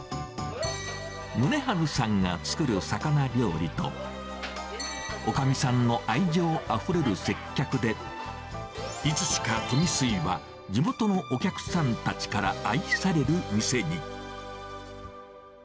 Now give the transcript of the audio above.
宗治さんが作る魚料理と、おかみさんの愛情あふれる接客で、いつしか富水は、地元のお客さんたちから愛される店に。